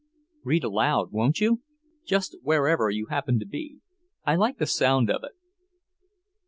"Read aloud, won't you? Just wherever you happen to be. I like the sound of it."